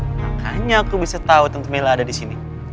makanya aku bisa tau tante mila ada di sini